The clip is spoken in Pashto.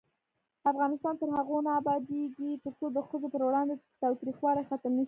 افغانستان تر هغو نه ابادیږي، ترڅو د ښځو پر وړاندې تاوتریخوالی ختم نشي.